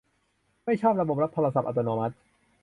ไม่ชอบระบบรับโทรศัพท์อัตโนมัติ